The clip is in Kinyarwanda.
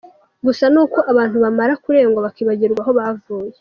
Gusa ni uko abantu bamara kurengwa bakibagirwa aho bavuye.